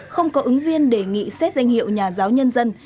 không có ứng viên đề nghị xét danh hiệu nhà giáo nhân dân